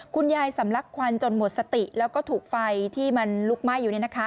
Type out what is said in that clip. คุณยายสำลักควันจนหมดสติแล้วก็ถูกไฟที่มันลุกไหม้อยู่